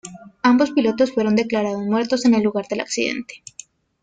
Ambos pilotos fueron declarados muertos en el lugar del accidente.